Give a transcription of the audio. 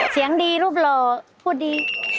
เสียงดีรูปหล่อพูดดี